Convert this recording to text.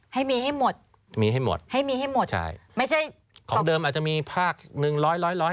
ให้มีให้หมดใช่ไม่ใช่ของเดิมอาจจะมีภาคหนึ่งร้อย